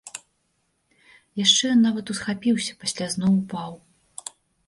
Яшчэ ён нават усхапіўся, пасля зноў упаў.